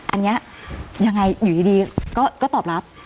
อันนี้ยังไงอยู่ดีก็ตอบรับ